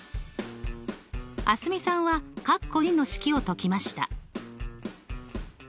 蒼澄さんはの式を解きました。